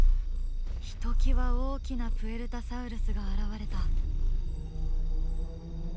ひときわ大きなプエルタサウルスが現れた。